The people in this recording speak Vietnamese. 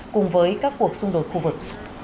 cùng với các cuộc xung đột khu vực